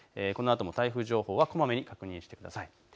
台風情報はこまめに確認してください。